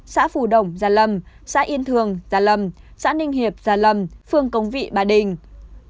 xã phù đồng già lâm xã yên thường già lâm xã ninh hiệp già lâm phương cống vị ba đình